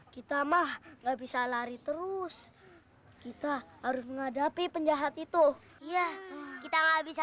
kita mah nggak bisa lari terus kita harus menghadapi penjahat itu iya kita nggak bisa